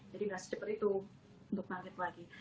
jadi gak secepat itu untuk bangkit lagi